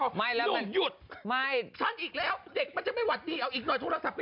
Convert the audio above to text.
ไม่แล้วหนุ่มหยุดไม่ฉันอีกแล้วเด็กมันจะไม่หวัดดีเอาอีกหน่อยโทรศัพท์